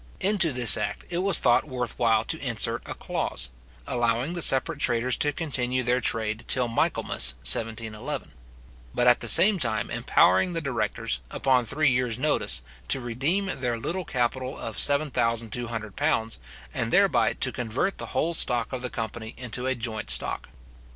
Into this act it was thought worth while to insert a clause, allowing the separate traders to continue their trade till Michaelmas 1711; but at the same time empowering the directors, upon three years notice, to redeem their little capital of seven thousand two hundred pounds, and thereby to convert the whole stock of the company into a joint stock.